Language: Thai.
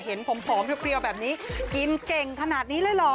เห็นผอมเพลียวแบบนี้กินเก่งขนาดนี้เลยเหรอ